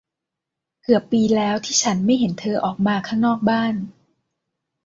เกือบปีแล้วที่ฉันไม่เห็นเธอออกมาข้างนอกบ้าน !